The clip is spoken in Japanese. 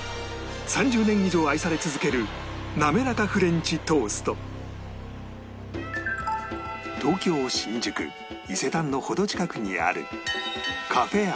３０年以上愛され続けるなめらかフレンチトースト伊勢丹の程近くにある